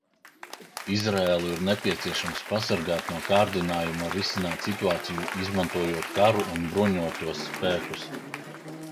Izraēlu ir nepieciešams pasargāt no kārdinājuma risināt situāciju, izmantojot karu un bruņotos spēkus.